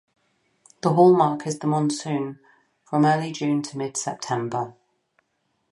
The hallmark is the Monsoon - from early June to mid September.